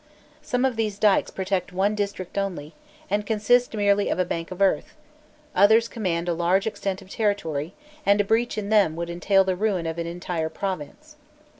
Some of these dykes protect one district only, and consist merely of a bank of earth; others command a large extent of territory, and a breach in them would entail the ruin of an entire province.